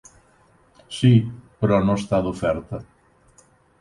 Sí, però no està d'oferta.